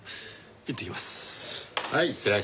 いってきます。